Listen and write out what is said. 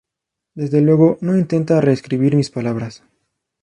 Desde luego, no intenta re-escribir mis palabras.